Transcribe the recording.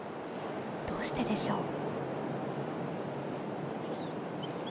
どうしてでしょう？